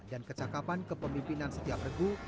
dan kecakapan kepemimpinan setiap regu